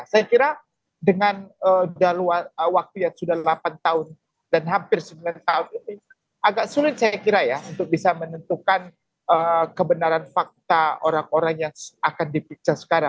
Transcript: saya kira dengan waktu yang sudah delapan tahun dan hampir sembilan tahun ini agak sulit saya kira ya untuk bisa menentukan kebenaran fakta orang orang yang akan diperiksa sekarang